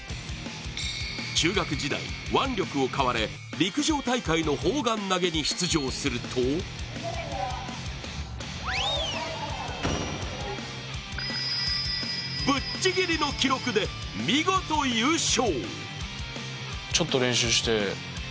中学時代、腕力を買われ陸上大会の砲丸投げに出場するとぶっちぎりの記録で見事優勝。